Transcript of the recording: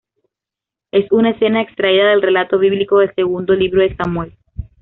Es una escena extraída del relato bíblico de Segundo libro de Samuel.